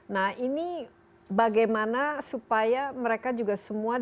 nah ini bagaimana supaya mereka juga semua